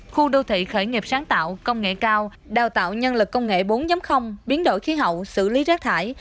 khu đô thị khởi nghiệp sáng tạo công nghệ cao đào tạo nhân lực công nghệ bốn biến đổi khí hậu xử lý rác thải